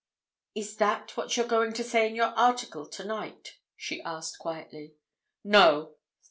"Is that what you're going to say in your article tonight?" she asked, quietly. "No!"